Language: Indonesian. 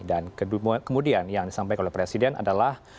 dan kemudian yang disampaikan oleh presiden adalah